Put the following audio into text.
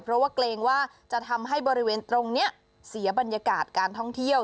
เพราะว่าเกรงว่าจะทำให้บริเวณตรงนี้เสียบรรยากาศการท่องเที่ยว